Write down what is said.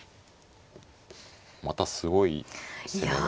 またすごい攻めが。